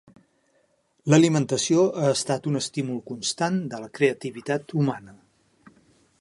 L'alimentació ha estat un estímul constant de la creativitat humana.